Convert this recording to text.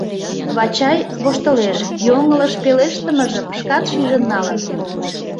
Вачай воштылеш, йоҥылыш пелештымыжым шкат шижын налын.